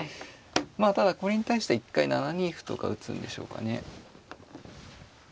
まあただこれに対しては一回７二歩とか打つんでしょうかね。